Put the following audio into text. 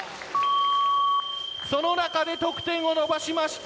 その中で得点を伸ばしました